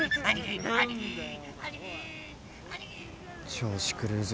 調子狂うぜ。